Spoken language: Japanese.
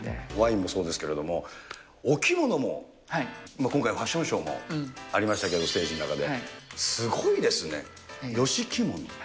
ワインもそうですけれども、お着物も、今回、ファッションショーもありましたけれども、ステージの中で、すごいですね。